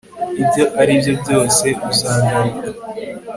ibyo aribyo byose uzagaruka